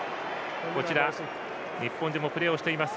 日本でもプレーをしています